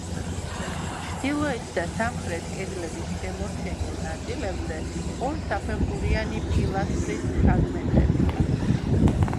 ჩრდილოეთ და სამხრეთ კედლების შემორჩენილ ნაწილებზე ორსაფეხურიანი პილასტრის ფრაგმენტებია.